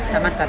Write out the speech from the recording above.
thả mặt cả tóc